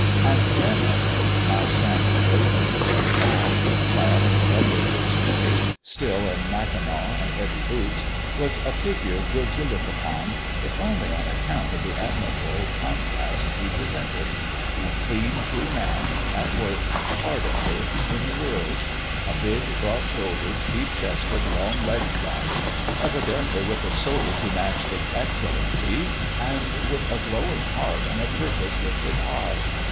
And Fairmeadow, now standing gravely before them all, clad in the lumber woods way, still in mackinaw and heavy boots, was a figure good to look upon, if only on account of the admirable contrast he presented. A clean, true man, at work, hard at work, in the world : a big, broad shouldered, deep chested, long legged body, evidently with a soul to match its excellencies, and with a glowing heart and a purpose lifted high.